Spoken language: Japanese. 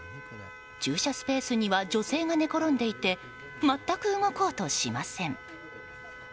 駐車スペースには女性が寝転んでいて全く動こうとしません。